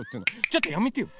ちょっとやめてよ！